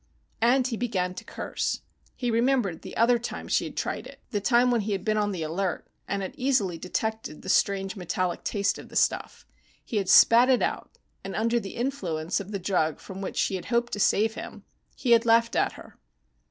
And he began to curse. He remembered the other time she had tried it, the time when he had been on the alert, and had easily detected the strange metallic taste of the stuff. He had spat it out, and under the influence of the drug from which she had hoped to save him, he had laughed at her.